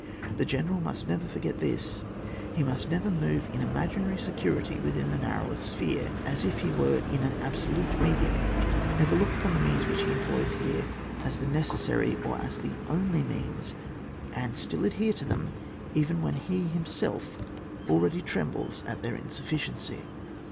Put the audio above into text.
The general must never forget this ; he must never move in imaginary security within the narrower sphere, as if ho were in an absolute medium ; never look upon the means which he employs here as the necessary or as the only means^ and still adhere to them^ even when he himself already trembles at their insufficiency.